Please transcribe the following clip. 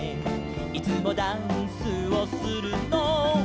「いつもダンスをするのは」